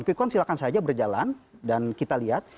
quickon silahkan saja berjalan dan kita lihat